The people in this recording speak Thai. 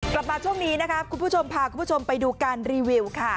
กลับมาช่วงนี้นะคะคุณผู้ชมพาคุณผู้ชมไปดูการรีวิวค่ะ